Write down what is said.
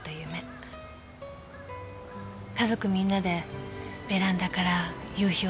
家族みんなでベランダから夕日を眺める夢